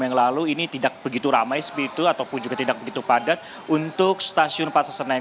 yang lalu ini tidak begitu ramai seperti itu ataupun juga tidak begitu padat untuk stasiun pasar senen